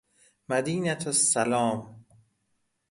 مدینه السلام